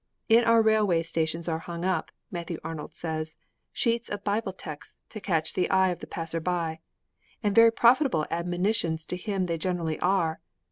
'In our railway stations are hung up,' Matthew Arnold says, 'sheets of Bible texts to catch the eye of the passer by. And very profitable admonitions to him they generally are.